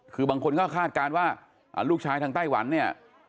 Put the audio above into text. คือบางคนก็คาดการณ์ว่าลูกชายทางไต้หวันเนี่ย